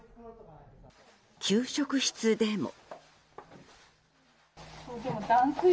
給食室でも。